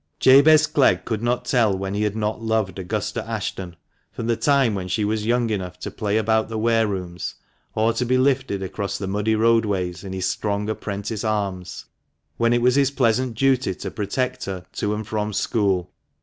Jabez Clegg could not tell when he had not loved Augusta Ashton, from the time wherfshe was young enough to play about the ware rooms, or to be lifted across the muddy roadways in his strong apprentice arms, when it was his pleasant duty to protect her to and from school.